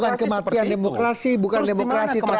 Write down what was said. bukan kematian demokrasi bukan demokrasi terakhir